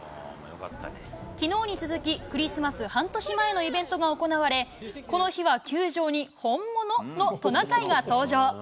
きのうに続き、クリスマス半年前のイベントが行われ、この日は球場に本物のトナカイが登場。